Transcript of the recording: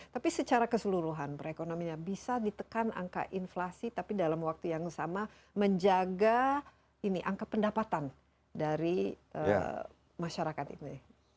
tapi secara keseluruhan perekonomiannya bisa ditekan angka inflasi tapi dalam waktu yang sama menjaga angka pendapatan dari masyarakat ini